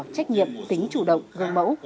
trách nhiệm tính chủ động gương mẫu